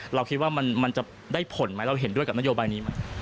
เราคิดว่ามันจะได้ผลไหมเราเห็นด้วยกับนโยบายนี้ไหม